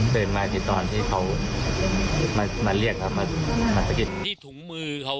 เป็นไงตอนที่เขามามาเรียกครับมามาสะกิดที่ถุงมือเขาอ่ะ